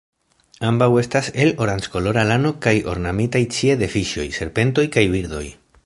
Ambaŭ estas el oranĝkolora lano kaj ornamitaj ĉie de fiŝoj, serpentoj kaj birdoj.